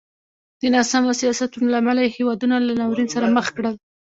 د ناسمو سیاستونو له امله یې هېوادونه له ناورین سره مخ کړل.